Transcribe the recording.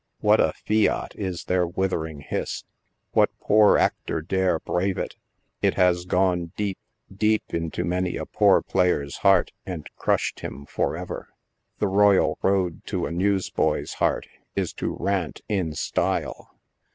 What a fiat is their withering hiss ! What poor actor dare brave it ? It has gone deep, deep into many a poor player's heart and crushed him forever. The royal road to a news boy's heart is to rant in style.